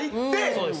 そうです。